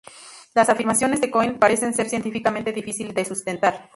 Las afirmaciones de Cohen parecen ser científicamente difíciles de sustentar.